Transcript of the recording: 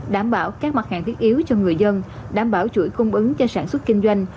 đảm bảo các mặt hàng thiết yếu cho người dân đảm bảo chuỗi cung ứng cho sản xuất kinh doanh